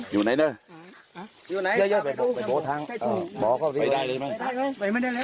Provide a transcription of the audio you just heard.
อยู่ไหนล่ะโทรศัพท์ดิ